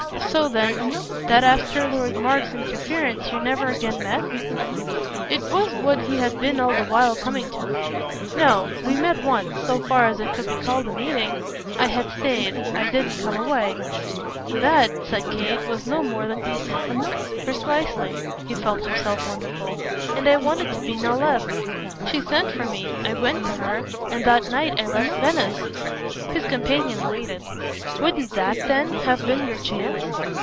"So then that after Lord Mark's interference you never again met?" It was what he had been all the while coming to. "No; we met once so far as it could be called a meeting. I had stayed I didn't come away." "That," said Kate, "was no more than decent." "Precisely" he felt himself wonderful; "and I wanted to be no less. She sent for me, I went to her, and that night I left Venice." His companion waited. "Wouldn't THAT then have been your chance?"